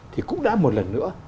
thì cũng đã một lần nữa